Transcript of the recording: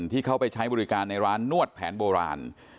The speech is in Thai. ที่เขาไปใช้บริการในร้านนวดแผนโบราณ